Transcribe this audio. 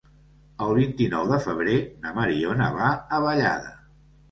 El vint-i-nou de febrer na Mariona va a Vallada.